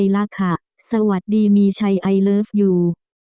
ลิฟต์อยู่